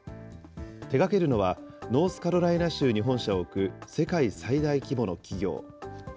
手がけるのは、ノースカロライナ州に本社を置く、世界最大規模の企業。